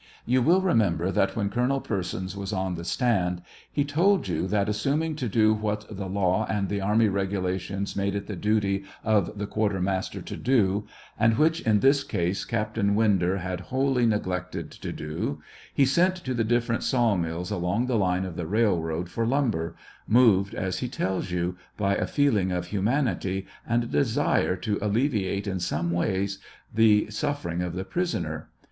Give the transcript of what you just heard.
You will temember that when Colonel Persons was on the stand, he told you that, assuming to do what the law and the army regulations made it the duty of the quartermaster to do, and which in this case Captain Winder had wholly neg lected to do, he sent to the different saw mills along the line of the railroad for lumber, moved, as he tells yoii, by a feeling of humanity and a desire to alle viate, in some way, the sufferings of the prisoners.